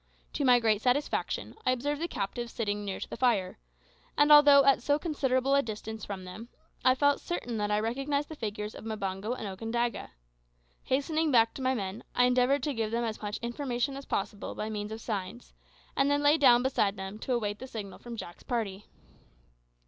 To my great satisfaction, I observed the captives sitting near to the fire; and although at so considerable a distance from them, I felt certain that I recognised the figures of Mbango and Okandaga. Hastening back to my men, I endeavoured to give them as much information as possible by means of signs, and then lay down beside them to await the signal from Jack's party.